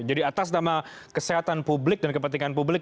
jadi atas nama kesehatan publik dan kepentingan publik